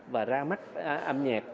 và ra mắt âm nhạc